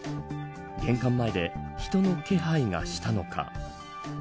玄関前で、人の気配がしたのか。